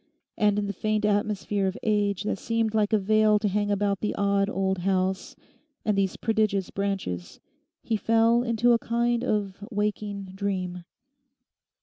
And in the faint atmosphere of age that seemed like a veil to hang about the odd old house and these prodigious branches, he fell into a kind of waking dream.